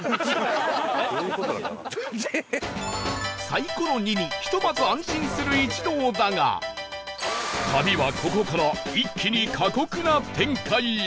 サイコロ「２」にひとまず安心する一同だが旅はここから一気に過酷な展開へ！